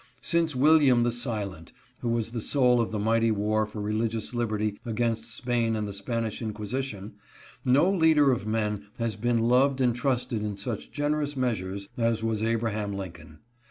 Since William the Silent, who was the soul of the mighty war for religious liberty against Spain and the Spanish inquisition, no leader of men has been loved and trusted in such generous measures as was Abraham Lin coln.